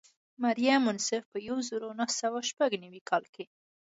مریم منصف په یو زر او نهه سوه شپږ نوي کال کې.